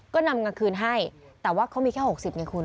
ก็นำเงินคืนให้แต่ว่าเขามีแค่๖๐ไงคุณ